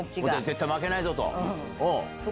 「絶対負けないぞ」と。